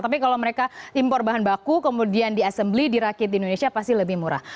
tapi kalau mereka impor bahan baku kemudian di assembly dirakit di indonesia pasti lebih murah